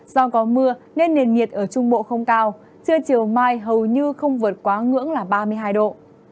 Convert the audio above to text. do có mưa nên nền nhiệt ở trung bộ không cao trưa chiều mai hầu như không vượt quá ngưỡng là ba mươi hai độ